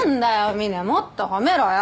みねもっと褒めろよ！